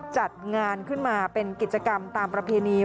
จัดงานขึ้นมาเป็นกิจกรรมตามประเพณี